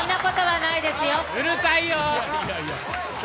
うるさいよ。